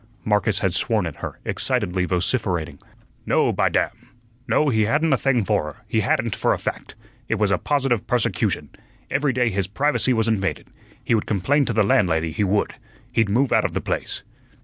Marcus had sworn at her, excitedly vociferating; "No, by damn! No, he hadn't a thing for her; he hadn't, for a fact. It was a positive persecution. Every day his privacy was invaded. He would complain to the landlady, he would. He'd move out of the place."